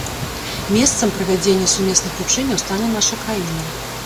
Месцам правядзення сумесных вучэнняў стане наша краіна.